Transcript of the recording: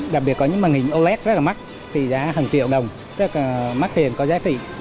đặc biệt có những màn hình oled rất là mắc thì giá hàng triệu đồng rất là mắc tiền có giá trị